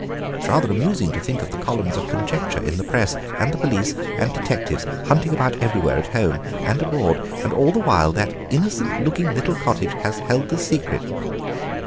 It's rather amusing to think of the columns of conjecture in the Press and the police and detectives hunting about everywhere at home and abroad, and all the while that innocent looking little cottage has held the secret."